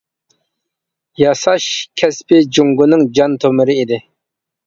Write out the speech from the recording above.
ياساش كەسپى جۇڭگونىڭ جان تومۇرى ئىدى.